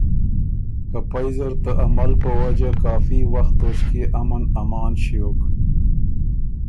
که پئ زر ته عمل په وجه کافي وخت توݭکيې امن امان ݭیوک